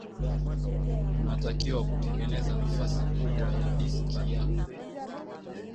unatakiwa kutengeneza nafasi kubwa ya diski yako